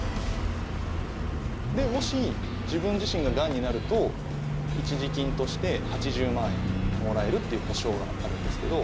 もし、自分自身ががんになると一時金として８０万円もらえるっていう保障があるんですけど。